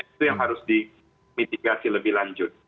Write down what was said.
itu yang harus dimitigasi lebih lanjut